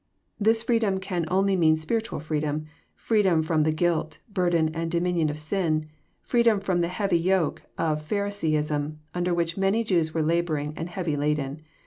"] This Areedom can only mean spiritual freedom, — freedom from the guilt, burden, and domin ion of sin, — ft'eedom from the heavy yoke of Pharisaism, under which many Jews were labonring and heavy laden.